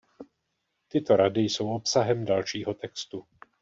Tyto rady jsou obsahem dalšího textu.